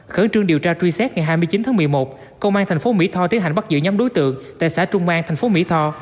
khẩn trương điều tra truy xét ngày hai mươi chín tháng một mươi một công an thành phố mỹ tho tiến hành bắt giữ nhóm đối tượng tại xã trung an thành phố mỹ tho